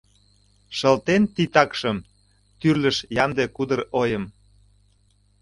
Шылтен титакшым, тӱрлыш ямде кудыр ойым.